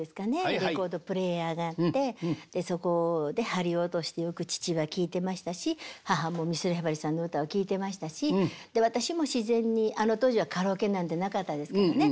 レコードプレーヤーがあってそこで針落としてよく父は聴いてましたし母も美空ひばりさんの歌を聴いてましたしで私も自然にあの当時はカラオケなんてなかったですからね